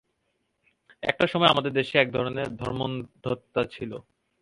এক সময়ে আমাদের দেশে এক ধরনের ধর্মোন্মত্ততা ছিল।